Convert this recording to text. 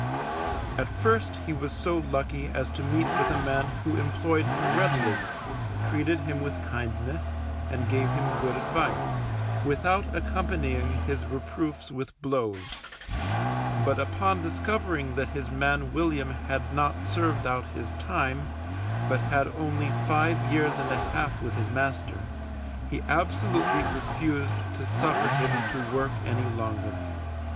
At first he was so lucky as to meet with a man who employed him readily, treated him with kindness, and gave him good advice, without accompanying his reproofs with blows; but upon discovering that his man William had not served out his time, but had only five years and a half with his master, he absolutely refused to suffer him to work any longer.